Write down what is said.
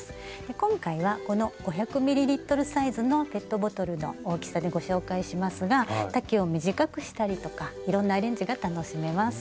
今回はこの５００ｍサイズのペットボトルの大きさでご紹介しますが丈を短くしたりとかいろんなアレンジが楽しめます。